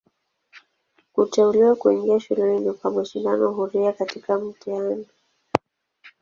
Kuteuliwa kuingia shuleni ni kwa mashindano huria katika mtihani.